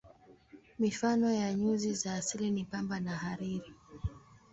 Mifano ya nyuzi za asili ni pamba na hariri.